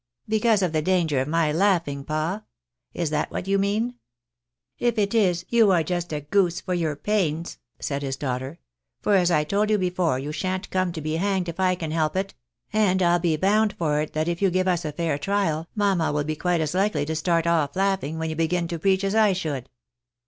" Because of the danger of my laughing, pa ? Is that what you mean,? If it is, you are just a goose for your pains," said his daughter, " for as I told you before, you shan't come to be hanged, if I can help it ; and I'll be bound for it that if you give us a fair trial, mamma will be quite as likely to start off laughing, when you begin to preach, as I should."